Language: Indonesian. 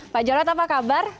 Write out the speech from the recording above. pak jarod apa kabar